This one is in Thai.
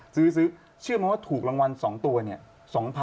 ซื้อเชื่อมันว่าถูกรางวัล๒ตัว๒๐๐๐บาท